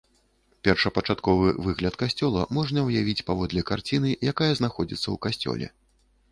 Першапачатковы выгляд касцёла можна ўявіць паводле карціны, якая знаходзіцца ў касцёле.